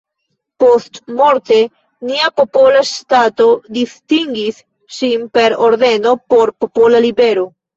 Postmorte nia popola ŝtato distingis ŝin per ordeno „Por popola libero".